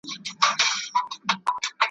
هم شهید وي هم غازي پر زمانه وي `